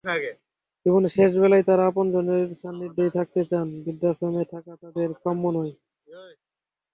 জীবনের শেষবেলায় তাঁরা আপনজনের সান্নিধ্যেই থাকতে চান, বৃদ্ধাশ্রমে থাকা তাঁদের কাম্য নয়।